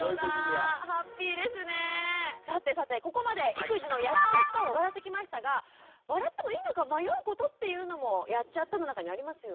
さてさてここまで育児の「やっちゃった！」を笑ってきましたが笑ってもいいのか迷うことっていうのも「やっちゃった！」の中にありますよね。